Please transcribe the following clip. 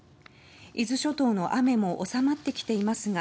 伊豆諸島の雨も収まってきていますが